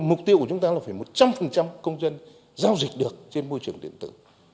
mục tiêu của chúng ta là phải một trăm linh công dân giao dịch được trên môi trường điện tử